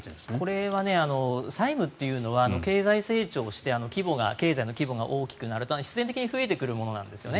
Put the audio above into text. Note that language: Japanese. これは債務というのは経済成長して経済の規模が大きくなると必然的に増えてくるものなんですよね。